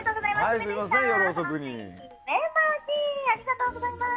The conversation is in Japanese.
姫さんありがとうございます。